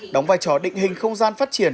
đóng vai trò định hình không gian phát triển